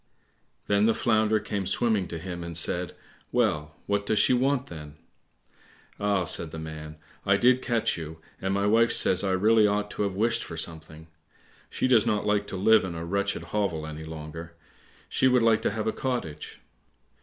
Then the Flounder came swimming to him and said, "Well what does she want, then?" "Ah," said the man, "I did catch you, and my wife says I really ought to have wished for something. She does not like to live in a wretched hovel any longer. She would like to have a cottage."